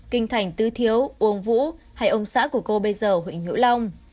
kinh thành tứ thiếu uông vũ hay ông xã của cô bây giờ huỳnh hữu long